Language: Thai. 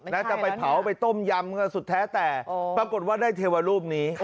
จะไปเผาไปต้มยำกันสุดแท้แต่ปรากฏว่าได้เทวรูปนี้